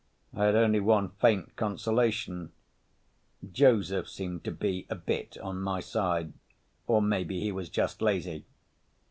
I had only one faint consolation: Joseph seemed to be a bit on my side, or maybe he was just lazy.